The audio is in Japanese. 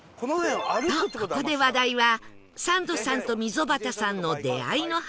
とここで話題はサンドさんと溝端さんの出会いの話に